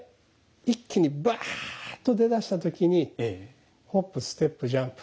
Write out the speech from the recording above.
一気にバーっと出だした時にホップステップジャンプ。